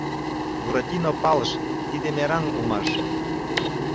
Буратино палыш: тиде мераҥ улмаш.